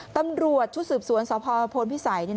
ตำรวจชุดสืบสวนสพพลพิสัย